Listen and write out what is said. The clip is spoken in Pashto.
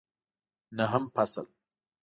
نهم فصل